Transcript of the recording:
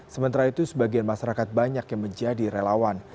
sementara itu sebagian masyarakat banyak yang menjadi relawan